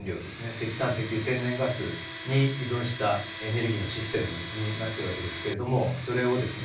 石炭、石油、天然ガスに依存したエネルギーのシステムになっているわけですけれどもそれをですね